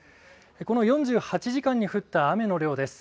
この４８時間に降った雨の量です。